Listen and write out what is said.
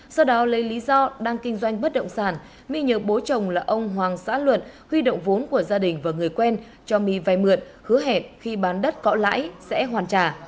sau đó lấy lý do đang kinh doanh bất động sản my nhờ bố chồng là ông hoàng xã luận huy động vốn của gia đình và người quen cho my vay mượn hứa hẹn khi bán đất có lãi sẽ hoàn trả